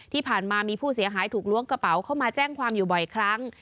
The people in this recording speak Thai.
ที่ผ่านมามีผู้เสียหายถูกล้วงกระเป๋าเข้ามาแจ้งความอยู่บ่อยครั้ง